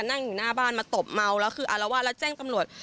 นั่งอยู่หน้าบ้านมาตบเมาแล้วคืออารวาสแล้วแจ้งตำรวจ